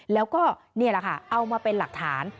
แล้วก็นี่แหละค่ะเอามาเป็นหลักฐาน